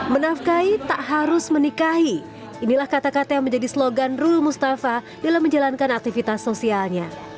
menafkai tak harus menikahi inilah kata kata yang menjadi slogan rul mustafa dalam menjalankan aktivitas sosialnya